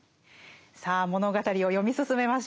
さあ物語を読み進めましょう。